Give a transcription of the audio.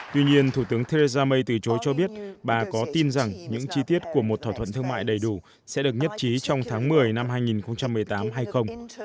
tuy nhiên thủ tướng theresa may từ chối cho biết bà có tin rằng những chi tiết của một thỏa thuận thương mại đầy đủ sẽ được nhất trí trong tháng một mươi năm hai nghìn một mươi tám hay không